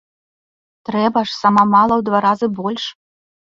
Трэба ж сама мала ў два разы больш.